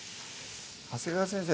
長谷川先生